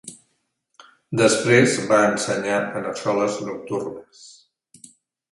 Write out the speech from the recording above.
Després, va ensenyar en escoles nocturnes.